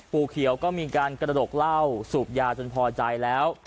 เขียวก็มีการกระดกเหล้าสูบยาจนพอใจแล้ว